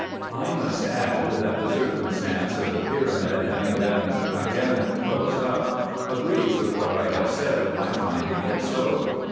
273 I must add, that the circumstance of the pyramid having been again closed up agrees with what I have said of my finding it so.